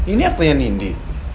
ini aktornya nindi